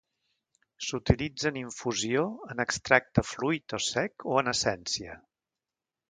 S'utilitza en infusió, en extracte fluid o sec o en essència.